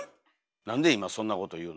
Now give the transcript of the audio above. なんで今そんなこと言うの？